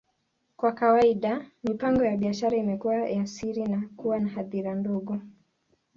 Kwa kawaida, mipango ya biashara imekuwa ya siri na huwa na hadhira ndogo.